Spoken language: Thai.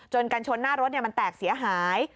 จนการชนหน้ารถเนี่ยมันแตกเสียหาย